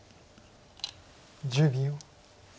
１０秒。